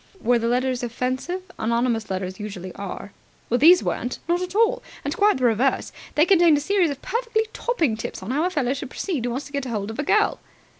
"Were the letters offensive? Anonymous letters usually are." "These weren't. Not at all, and quite the reverse. They contained a series of perfectly topping tips on how a fellow should proceed who wants to get hold of a girl."